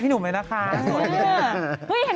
พี่หนุ่มอยู่นั่งไหน